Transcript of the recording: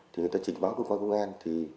thì người ta trình báo cơ quan công an